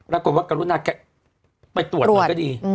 แล้วก็ว่ากรุณาแกะไปตรวจหน่อยก็ดีอืม